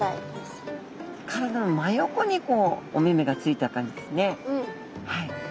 体の真横にお目目がついた感じですね。